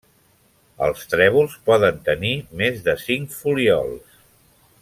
Els trèvols poden tenir més de cinc folíols.